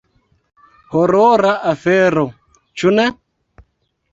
Horora afero, ĉu ne?